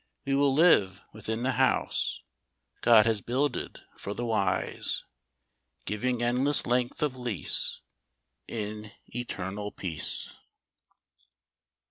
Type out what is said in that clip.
We will live within the house God has builded for the wise, Giving endless length of lease In eternal peace.